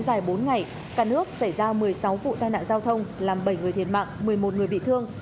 dài bốn ngày cả nước xảy ra một mươi sáu vụ tai nạn giao thông làm bảy người thiệt mạng một mươi một người bị thương